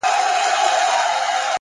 د فکر کیفیت د ژوند کیفیت ټاکي.!